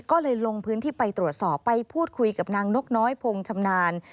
ก็เลยลงพื้นที่ไปตรวจสอบไปพูดคุยกับนางนกน้อยพงชำนาญ